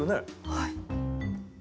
はい。